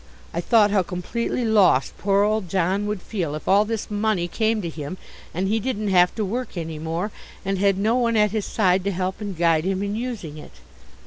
I thought how completely lost poor old John would feel if all this money came to him and he didn't have to work any more and had no one at his side to help and guide him in using it.